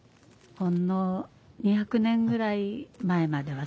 ほんの２００年ぐらい前まではさ